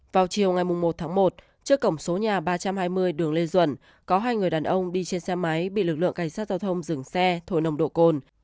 vào chiều ngày một tháng một trước cổng số nhà ba trăm hai mươi đường lê duẩn có hai người đàn ông đi trên xe máy bị lực lượng cảnh sát giao thông dừng xe thổi nồng độ cồn